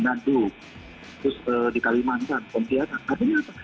itu pernah kemakin makinkan